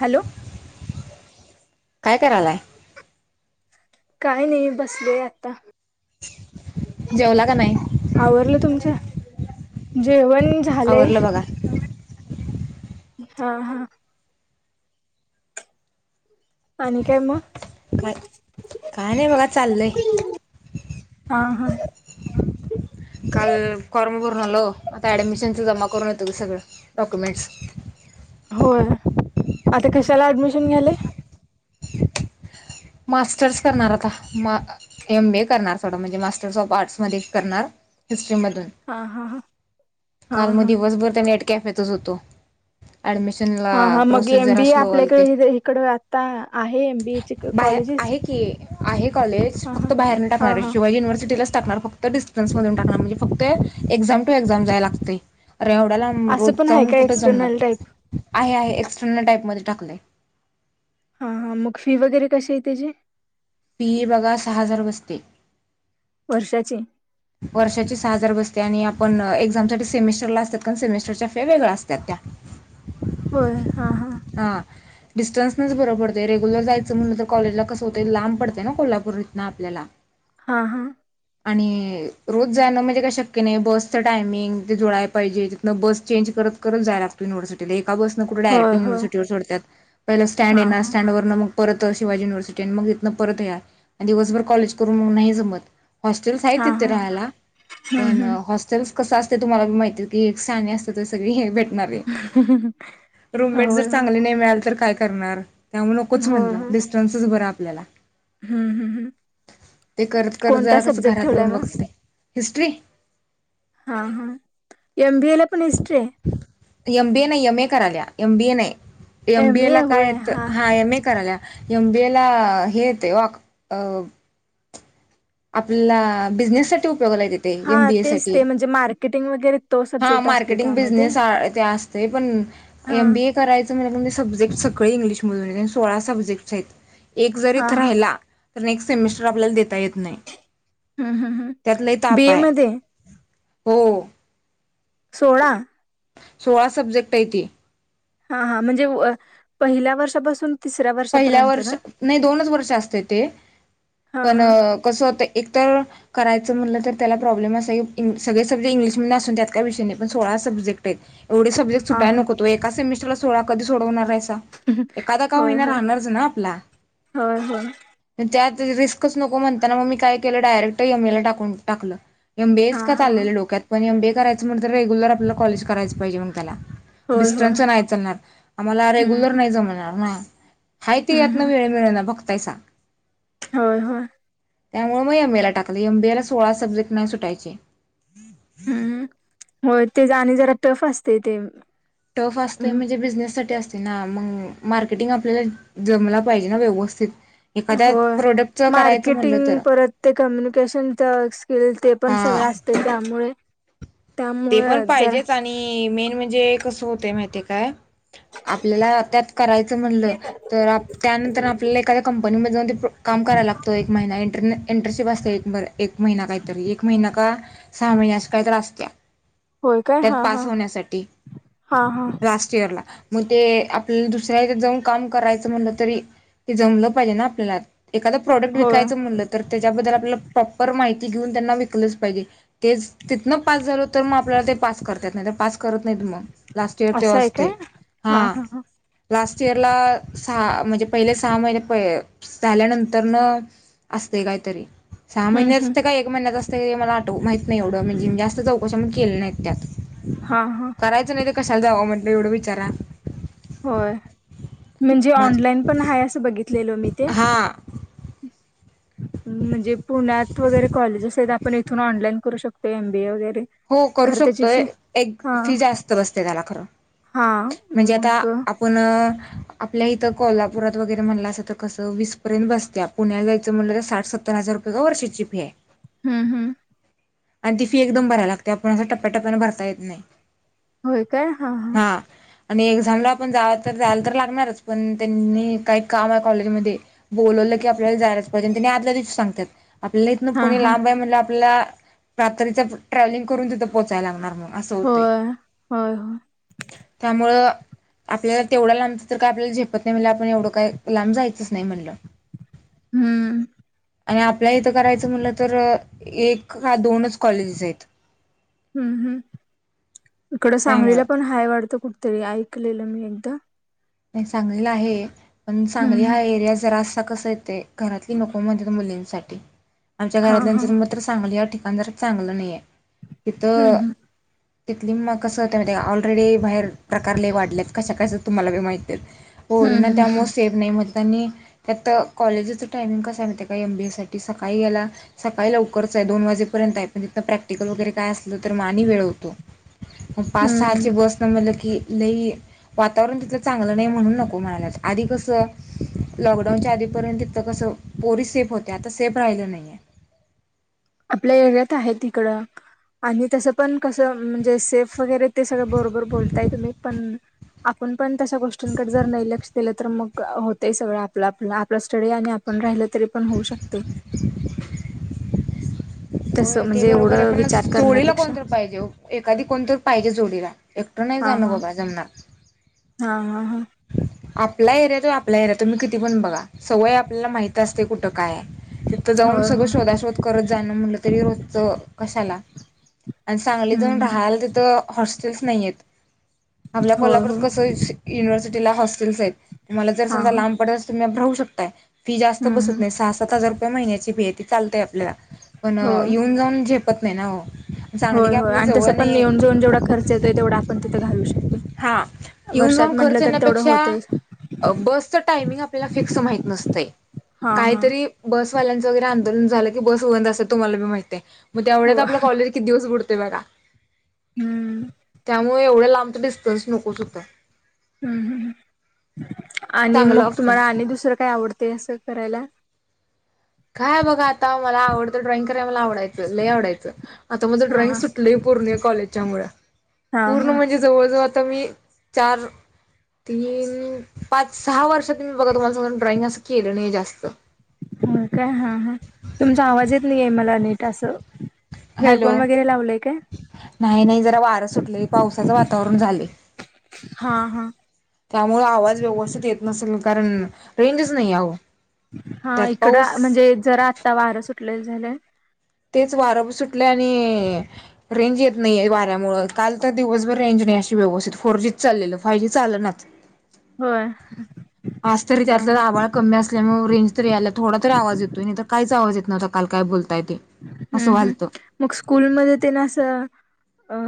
Hello. काय करायलाय काही नाही बसले आता. जेवला का नाही? आवरलं तुमच जेवण झालंय आवरल बघा हा हा. आणि काय मग काय काय नाही बघा चाललय हा हा. काल कॉर पूर्ण आलो आता ऍडमिशनचा जमा करून येतो की सगळ डॉक्युमेंट्स होय आता कशाला ऍडमिशन घ्याले? मास्टर्स करणार आता एम बी करणार सोडा म्हणजे मास्टर्स ऑफ आर्ट्स मध्ये करणार हिस्ट्री मधून हा हा हा हा काल मग हा दिवसभर त्या कॅफे तच होतो. अऍडमिशन हा ला हा मग प्रोसेस एम जरा बी ए स्लो व्हालती आपल्याकडे इकड आता आहे एम बी ए चे बाहेर कॉलेजेस आहे की आहे कॉलेज हा हा फक्त बाहेर नाही हा टाकणार आहे हा शिवाजी युनिव्हर्सिटीला फक्त डिस्टन्स मधून टाकणार म्हणजे फक्त एक्झाम टू एक्झाम यायला लागतं रेवढ्यात असं रोज पण आहे जाऊन का कुठं जमला एक्सटर्नल टाईप आहे आहे एक्सटर्नल टाईप मध्ये टाकले हा हा मग फी वगैरे कशी आहे त्याची फी बघा सहा हजार बसते वर्षाचे वर्षाची सहा हजार बसते आणि आपण एक्झाम साठी सेमिस्टरला असतात कारण सेमिस्टरच्या फे वेगळ्या असतात व होय हा हा हा डिस्टन्स नच बरं पडतय रेग्युलर जायचं म्हणलं तर कॉलेजला कसं होतय लांब पडतेय ना कोल्हापूर आपल्याला हा हा आणि रोज जायनं म्हणजे काय शक्य नाही बसच टायमिंग ते जुळायला पाहिजे तिथनं बस चेंज कर करत करत जाय लागत युनिव्हर्सिटी का बस कुठे डायरेक्ट होय होय युनिव्हर्सिटीवर सोडत पहिला स्टँड हा येणार हा स्टँडवर न मग परत शिवाजी युनिव्हर्सिटी आणि मग इथन परत या आणि दिवसभर कॉलेज करून मग नाही जमत हॉस्टेलस आहेत हा तिथं हा राहायला हम्म पण हम्म. कसं असते तुम्हाला माहिती क एक शाणी असते ते सगळे हे भेट ह रूममेट जर चांगले नाही मिळाल तर काय करणार त्यामुळे नकोच होय म्हणलं होय डिस्टन्सच बरा आपल्याला हम्म हम्म ते करत करत कोणता जरा कस सब्जेक्ट घरात ठेवलाय येऊन मग बघते हिस्ट्री हा हा एमबी ए ला पण हिस्ट्री आहे एम बीए नाही एम ए कराल्या एम बीए नाही एम बीए ला काय य हा एमए कराल्या एम बेला हेेत वाक् अह आपला बिझनेस साठी हा एमबीए तेच साठी ते म्हणजे मार्केटिंग वगैरे तो हा सब्जेक्ट असतोय मार्केटिंग त्यामध्ये बिझनेस साठी पण हा एम बीए करायच म्ह सब्जेक्ट सकाळी इंग्लिश मधून सोळा सब्जेक्ट आहेत एक जर हा इथं हा राहिला तर नेक्स्ट सेमिस्टर आपल्याला देता येत नाही हम्म हम्म त्यात लय हम् ताप बीए आहे मध्ये हो सोळा सोळा सब्जेक्ट आहे त हा हा म्हणजे पहिल्या वर्षापासून तिसऱ्या पहिल्या वर्षापर्यंत ना वर्ष नाही दोनच वर्ष असते ते हा पण हा कसं होत एकतर करायचं म्हटलं तर त्याला प्रॉब्लेम असा की सगळे सब्जेट इंग्लिश मधलं असू द्यात पण सोळा सब्जेक्ट आहेत एवढे सब्जेक्ट हा सुटायला हा नकोत होय एका सेमिस्टरला सोळा कधी सोडवणार आहेसा एखादा का होय होईना होय राहणारच ना आपला होय होय पण त्यात रिस्कच नको म्हणताना मग मी काय केलं डायरेक्ट एमएला टाकून टाकलं हा एमबीएच हा चालू हा होतो डोक्यात पण एमबीए करायचं म्हणलं तर रेगुलर आपलं कॉलेज करायलाच पाहिजे मग त्याला होय होय डिस्टन्सच नाही चालणार आम्हाला रेग्युलर हम्म नाही जमणार ना हाय ते हम्म यातनं हम्म वेळ मिळना बघतायसा होय ह त्यामुळे मग एम ए ला टाकले एमबीएला सोळा सब्जेक्ट नाही सुटायचे हो ते जा आणि जरा टफ असते ते टफ असत हम्म म्हणजे बिझनेससाठी अस ना मग मार्केटिंग आपल्याला जमल पाहिजे ना व्यवस्थित. एखाद्या होय प्रोडक्टच करायचं म्हणलं तर मार्केटिंग परत ते कम्यनिकेशन स्किल ते पण हा सगळ असते त्यामुळे ते त्यामुळे पण जरा पाहिजेच आणि मेन म्हणजे कसं होतंय माहितीय काय? आपल्याला त्यात करायचं म्हणलं तर त्यानंतर आपल्याला एखाद्या कंपनीमध्ये जाऊन ते काम कराय लागतो एक महिना इंटरन एंटरनशिप असते. बरं एक महिना काहीतरी, एक महिना का सहा महिना अशी काहीतरी असत्या. होय काय त्यात हा पास हा होण्यासाठी हा हा लास्ट इयर ला. मग ते आपल्याला दुसऱ्या हेच्यात जाऊन काम करायचं म्हणलं तरी, ते जमलं पाहिजे ना आपल्याला. एखादा प्रोडक्ट होय विकायचं म्हणलं तर त्याच्याबद्दल आपल्याला प्रॉपर माहिती घेऊन त्यांना विकलच पाहिजे, तेच तिथंन पास झालो तर ते आपल्याला पास करतात नाहीतर करत ना हित मग लास्ट इयर असं आहे असते काय हा लास्ट चेरला सहा म्हणजे पहिले सहा महिने प झाल्यानंतर न असते काहीतरी. सहा हम्म महिन्याच हम्म असते का एक महिन्याच असते मला आठ माहित नाही. एवढं म्हणजे जास्त चौकशी मी केलं नाही. त्यात हा हा करायचं नाही तर कशाला जावं म्हंटलं एवढं विचारा होय म्हणजे ऑनलाइन पण आहे असं बघितलेल मी ते. हा म्हणजे पुण्यात वगैरे कॉलेजेस आहेत. आपण इथून ऑनलाइन करू शकतो. एमबीए वगैरे. हो करू खरं त्याची शकतोय फी एक हा फी जास्त बसते त्याला खरं. हा म्हणजे आता मग आपण आपल्या इथं कोल्हापुरात वगैरे म्हणलं असं तर कसं वीसपर्यंत बसत्या, पुण्यात जायचं म्हटलं तर साठ सत्तर हजार वर्षाची फी आहे. हा हा. आणि ती फी एकदम भरायला लागते, आपण असं टप्प्याटप्याने भरता येत नाही. होय काय? हा हा. आणि एक्झामला आपण जाय तर जायला तर लागणारच. पण त्यांनी काही काम आहे. कॉलेजमध्येध्ये बोलवलं की आपल्याला जायलाच पाहिजे आणि त्यांनी आदल्या दिवशी सांगतात. आपल्याला इथन हा पुणे हा लांब आहे म्हणल्यावर आपल्याला रात्रीच ट्रॅव्हलिंग करून तिथं पोचायला लागणार मग. असं होतय. होय होय होय त्यामुळं आपल्याला तेवढ्या लांबचा तर काय आपल्याला झेपत नाही म्हणल्यावर आपण एवढं काय लांब जायचंच नाही म्हणल. हम्म आणि आपल्या इथं करायचं म्हटलं तर एक ह दोन कॉलेजेस आहेत. इकड त्यामुळं सांगलीला पण हाय वाढत कुठतरी ऐकलेलं मी एकदा. नाही सांगलीला आहे पण सांगली हम्म हा एरिया जरा अस स येते घरातली नको म्हणत्यात मुलींनसाठी आमच्या हा हा घरातल्यांचे मत तर सांगली ह्या ठिकाणी अंदर चांगलं नाही आहे हम्म हम्म तिथ तिथली कसं होत माहिते, ऑलरेडी बाहेर प्रकारले वाढल्यात कशा कशाच तुम्हालाी माहिती आहे. हो पोरींना हम्म त्यामुळे सेफ नाही म्ह त्यांनी त्यात कॉलेजीचं टायमिंग कस आहे माहिती आहे का? एम बी एस साठी सकाळी गेला सकाळी लवकरच दोन वाजेपर्यंत आहे पण तिथ प्रॅक्टिकल वगैरे काय असलं तर मा आणि वेळ होतो. पाच हम्म हम्म सहाची बस न म्हलं की लई वातावरण तिथलं चांगलं नाही म्हणून नको म्हणा लागल्यात. आधी कस लॉकडाऊनच्या आधीपर्यंत तिथ कसं पोरी सेफ होत्या. आता सेफ राहिलं नाहीये. आपल्या एरियात आहे तिकडं. आणि तसं पण कसं म्हणजे सेफ वगैरे ते सगळं बरोबर बोलताय तुम्ही पण आपण पण तशा गोष्टींकडे जर नाही लक्ष दिलं तर मग होते सगळं आपलं आपलं. आपलं स्टडी आणि आपण राहिल तरी पण होऊ शकते. तसं होय ते म्हणजे बरोबर आहे एवढं पण विचार जोडीला करण्यापेक्षा कोणतर पाहिजे ओ. एखादी कोणतर पाहिजे जोडीला. एकट नाही हा जाण हा बबा जुना हा हा हा हम् आपला एरित आपला एरिया तुम्ही किती पण बघा सवय आपल्याला माहित असते कुठं काय आहे तिथं जाऊन होय सगळं होय शोधा शोध करत जाणं म्हट र कशाला आणि सांगली जाऊन हम्म राहाल तिथ ह होस्टेल नाही आहेत आपल्या होय कोल्हापूरात होय कसं युनिव्हर्सिटीला हॉस्टेल्स आहेत. तुम्हाला जर हा समज हा लांब पडतल तर तुम्ही भ राहू शकताय फी जास्त हम्म बसत हम्म नाही सहा सात हजार महिन्याची फि चालत आपल्याला पण होय येऊन जाऊन झेपत नाही ना सांगली होय काय होय आपल्याला आणि जवळ तसं पण नाही येऊन जेऊन जेवढा खर्च येतोय तेवढा आपण तिथं घालू शकतो हा येऊन जाऊन वर्षात खर्च म्हटलं तर तेवढं येण्यापेक्षा होतय बसचं टायमिंग आपल्याला फिक्स माहीत नसतंय हा हा काहीतरी बसवाल्यांचं वगैरे आंदोलन झालं की बस बंद असतं तुम्हाला पण माहिती आहे माहिती मग त्या महिन्यात हो आपला कॉलेज किती दिवस बुडतय बघा. हम्म त्यामुळे एवढं लांबत दिस नकोच होतं हम्म आणि चांगलं मग ऑप्शन तुम्हाला आणि दुसरं काय आवडते असं करायला काय बघ आता मला आवडं ड्रॉइंग करायला मला आवडायचं ल आवडाच आता मझं हा ड्रॉइंग हा सुटलंय पूर्ण कॉलेजच्या मुळ हा हा पूर्ण म्हणजे जवळजवळ आता मी चार तीन पाच सहा वर्षात म बघा तुम्हाला स ड्रॉइंग असं केलं नाही जास्त हो काय हा हा तुमचा आवाजच नाहीय मला नीट असं हॅलो हेडफोन वगैरे लावले नाही नाही जरा वार सुटले पावसाचं वातावरण झाले हा हा त्यामुळे आवाज व्यवस्थित येत नसेल कारण रेंजच नाही आहेहं हा इकडं म्हणजे जरा आता वारं सुटले झालं तेच वारं सुटले आणि रेंज येत नाही वाऱ्यामुळे काल तर दिवसभर रेंज व्यवथित फोर जी चाललेलं फाय जी चाल नाच हो आज तरी त्यातला आभाळ कमी असल्यामुळे कमी असल्यामुळे रेंज तरी यायला थोडारी आवाज येतोय नाही तर काहीच आवाज येतो नवता काल काय बोल हम्म हम्म मग स्कूलमध्येध्ये तेना अस अ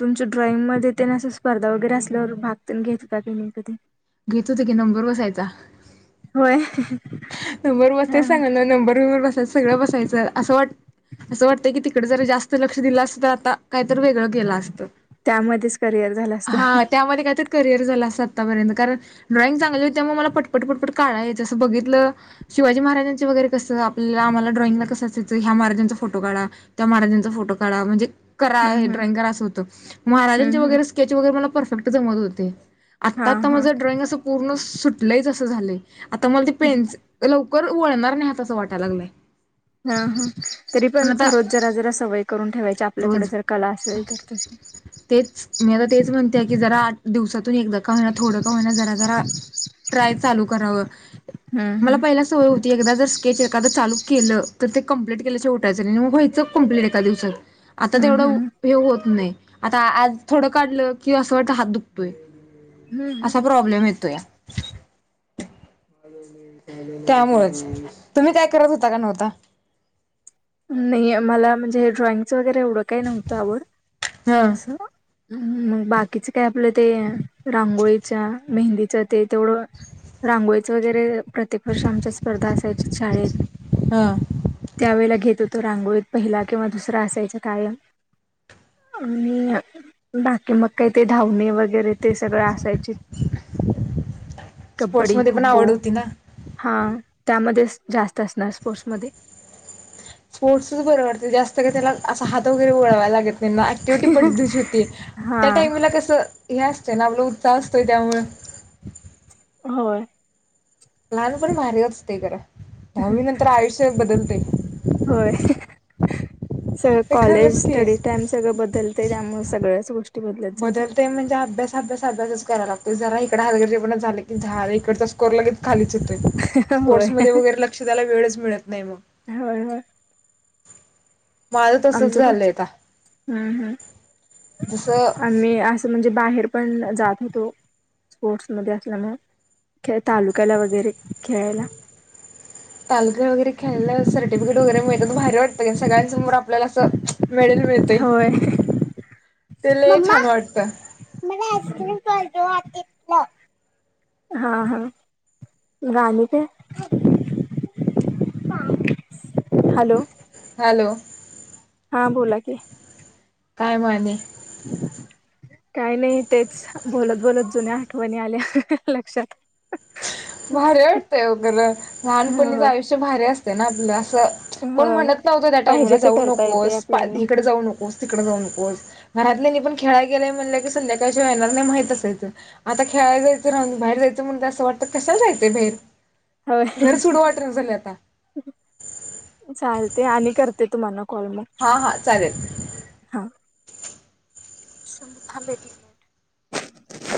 तुमच्या ड्रॉइंग मध्ये ते स्पर्धा वगैरे असल्यावर भाग घेत का क मी कधी घेत होते की नंबर बसायचा होय नंबर हा बसतेच सांगाल ना नंबर वंबरसायच सगळं बसायचं असं वाट असं वाटत कि तिकडे जर जास्त लक्ष दिलं अस त आता काहीतर वेगळं केलं असत, त्यामध्येच करिअर झालं असतं. हा त्यामध्ये काहीतरी करिअर झाल असंत आतापर्यंत कारण ड्रॉइंग चागली होत त्यामुळ मला पटपट पटपट काडाय यचं असं बघितलं शिवाजी महाराज वगरे कस आप आमला ड्रॉइंगला कसं असयचं ह्या महाराजचा फोटो काढा त्या माहाराजा फोटो काढ म्हणजे करा हम्म हम्म ड्रॉइंग करा असं होतं, हम्म महाराजांचे हम्म वगैरे स्केच वगैरे मला परफेक्ट जमत होते. हा आत्ता आता हा. माझं ड्रॉइंग असं पूर्ण सुटलंच असं झालंय आता मला ते पेन्स लकर वळणार नाही हात वाटयला लागलंय. हा हा तरी पण रोज जरा जरा सवय करून ठेवायची आपल्याकडे रोज जर कला असेल तर त तेच मी आता तेच म्हणते की जरा आठ दिवसातून एकदा का व्हहिना थोड का व्हहिना जरा जरा ट्राय चालू करावं, हम्म मला हम्म पहिला सवय होती एकदा जर स्केच एखाद चालू केलं तर ते कम्प्लीट केल्या शेवटायं आणि मग वयचं कंमप्लीट एका दिवसात. आता हम्म तेवढं हम्म हे होत नाही. आता आज थोडं काढलं की असं वाटत हात दुखतोय हम्म हम्म. असा प्रॉब्लेम येतो या. [inaudible] त्यामुळेच तुम्ही काय करत होता का नव्हता. नाही मला म्हणजे ड्रॉइंगच वगैरे एवढं काही नव्हतं आवड हा अस. मग बाकीचे काय आपलं ते रांगोळीच्या, मेहंदीच्या ते तेवढं रांगोळीचं वगैरे प्रत्येक वर्ष आमच्या स्पर्धा असायच्या शाळेत हा त्यावेेळेला घेत तो रांगोळीत पहिला किंवा दुसरा असायच कायम. आणि बाकी मग काही ते धावणे वगैरे वगैरे ते सगळं असायचे. कबड्डी स्पोर्ट्समध्ये खो पण खो आवड होती ना हा त्यामध्ये जास्त असणार स्पोर्ट्स मध्ये. स्पोर्ट्सच बरं वाटतं त्यांना ॲक्टिव्हिटी पटदीवशी होती हा त्या टाईमला कसं हे असतं ना आपलं असतोय त्यामुळं होय. लहानपण भारी असतय खर, दहावी नंतर आयुष्य बदलतय. सगळ ते कॉलेज खरंच की स्टडी टाइम सगळं बदलते त्यामुळे सगळ्याच गोष्टी बदलत जातात बदलते म्हणजे अभ्यास अभ्यास अभ्यासचकराय लागतोय जरा इकड हलगर्जेपण झालं की झाल इकडचा स्कोर लगेच खाली येतोय होय स्पोर्ट्स म वगैरे लक्ष द्यायला वेळच मिळत नाही मग होय होय माझं तसंच आमचं पण झालंय आता हम्म जसं हम्म आणि असं म्हणजे बाहेर पण जात होतो. स्पोर्ट्स मध्ये असल्यामुळे खेळ तालुक्याला वगैरे खेळायला. तालुक्या वगैरे खेयला सर्टिफिकेट वगैरे मिळत त भारी वाटत सगळ्यांसमोर आपल्याला असं मेडल मिळेतय. होय. मम्मा मला आस्क्रीम पाहिजे वाटतील. हा हा गाणी ते हॅलो. हॅलो. हां बोला की. कायमाणे काय नाही तेच बोलत बोलत जुन्या आठवणी आल्या हाह हा लक्षात. भारी वाटतेय ओ खर वगैरे लहानपणीचं होय आयुष्य भारी असते ना आपलं. कोण होय म्हणत नव्हतं त्या टाइमला पाहिजे ते जाऊ करता येते नकोस आपल्याना इकडे जाऊ नकोस तिकडे जाऊ नकोस. घरातल्यानी पण खेळाय गेय म्हणले की संध्याकाळच्याे येणार नाही माहित असायं आता खेळाय जायचं राहून बाहेर जायचं ण असं वाटतं कशाला जायंच बहेर. होय चालते आणि करते तुम्हाला कॉल मग हा हा चालेल हा थांब एक मिनिट.